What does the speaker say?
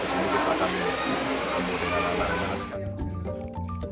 di sini kita akan memudahkan